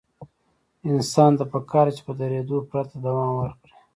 انسان ته پکار ده چې په درېدو پرته دوام ورکړي.